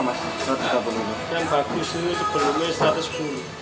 yang bagus ini sebelumnya satu ratus sepuluh